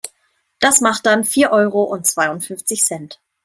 Das macht dann vier Euro und zweiundfünfzig Cent.